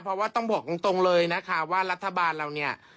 เพราะว่าต้องบอกตรงเลยนะคะว่ารัฐบาลเราเนี่ย